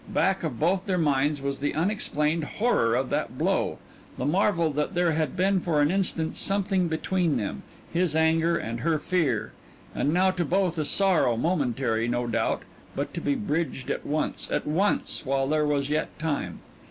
Back of both their minds was the unexplained horror of that blow the marvel that there had been for an instant something between them his anger and her fear and now to both a sorrow, momentary, no doubt, but to be bridged at once, at once, while there was yet time.